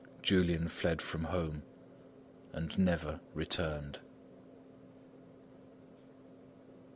Julian fled from home and never returned.